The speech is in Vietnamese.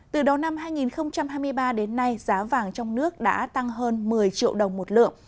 từ đầu năm hai nghìn hai mươi ba đến nay giá vàng trong nước đã tăng hơn một mươi triệu đồng một lượng